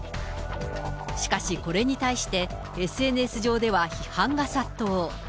しかしこれに対して、ＳＮＳ上では批判が殺到。